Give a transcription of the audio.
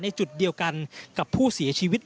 จุดเดียวกันกับผู้เสียชีวิต